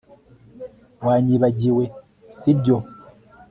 Wanyibagiwe si byo